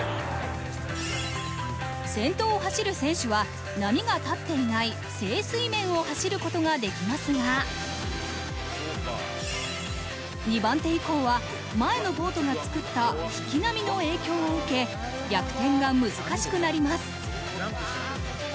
先頭を走る選手は波が立っていない静水面を走ることができますが２番手以降は前のボートが作った引き波の影響を受け逆転が難しくなります。